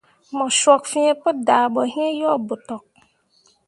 Mu cok fin pu dah boyin yo botok.